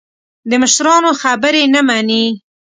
د مشرانو خبرې نه مني.